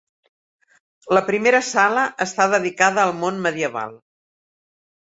La primera sala està dedicada al món medieval.